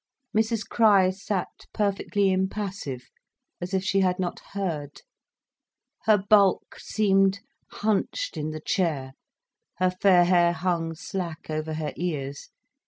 Mrs Crich sat perfectly impassive, as if she had not heard. Her bulk seemed hunched in the chair, her fair hair hung slack over her ears.